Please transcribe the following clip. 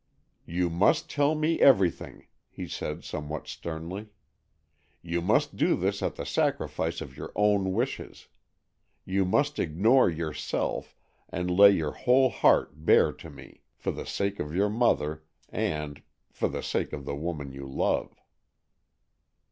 "You must tell me everything," he said somewhat sternly. "You must do this at the sacrifice of your own wishes. You must ignore yourself, and lay your whole heart bare to me, for the sake of your mother, and—for the sake of the woman you love."